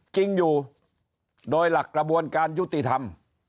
จริงอยู่โดยหลักกระบวนการยุติธรรม